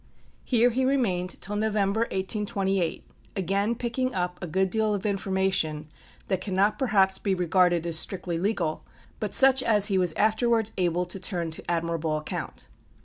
Here he remained till November, 1828, again picking up a good deal of information that cannot perhaps be regarded as strictly legal, but such as he was afterwards able to turn to admirable account.